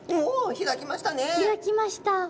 開きました。